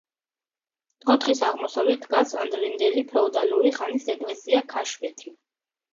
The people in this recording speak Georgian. თოხთის აღმოსავლეთით დგას ადრინდელი ფეოდალური ხანის ეკლესია „ქაშვეთი“.